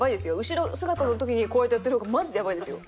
後ろ姿の時にこうやってやってる方がマジでやばいですよ。